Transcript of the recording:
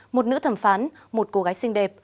một nữ thẩm phán một cô gái xinh đẹp